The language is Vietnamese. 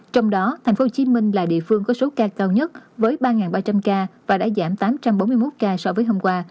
trong đó tp hcm là địa phương có số ca cao nhất với ba ba trăm linh ca và đã giảm tám trăm bốn mươi một ca so với hôm qua